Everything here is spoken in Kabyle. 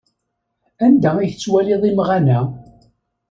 Anda ay tettwaliḍ imɣan-a?